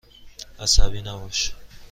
عصبی نباش.